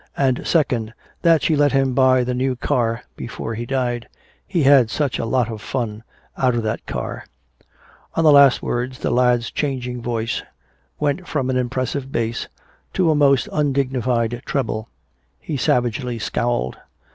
And second, that she let him buy the new car before he died. He had such a lot of fun out of that car " On the last words the lad's changing voice went from an impressive bass to a most undignified treble. He savagely scowled.